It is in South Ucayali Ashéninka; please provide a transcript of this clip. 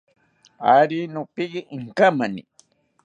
Ari nopiye inkamani